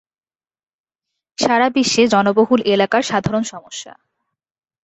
সারাবিশ্বে জনবহুল এলাকার সাধারণ সমস্যা।